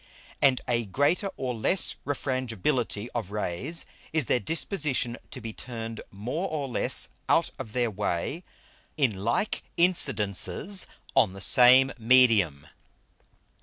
And a greater or less Refrangibility of Rays, is their Disposition to be turned more or less out of their Way in like Incidences on the same Medium.